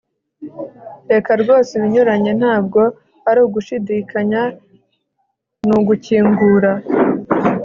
reka rwose ibinyuranye ntabwo ari ugushidikanya nugukingura